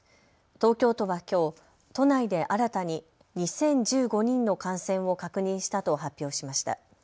東京都はきょう都内で新たに２０１５人の感染を確認したと発表しました。